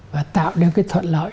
và tạo được cái thuận lợi